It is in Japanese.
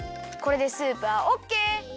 これでスープはオッケー！